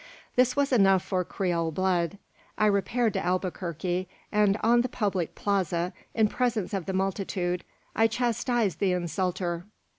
"This was enough for Creole blood. I repaired to Albuquerque; and on the public plaza, in presence of the multitude, I chastised the insulter.